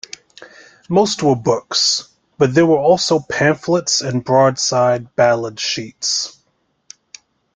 Most were books, but there were also pamphlets and broadside ballad sheets.